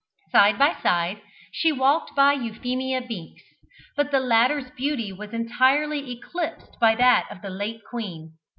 Side by side she walked by Euphemia Binks, but the latter's beauty was entirely eclipsed by that of the late queen.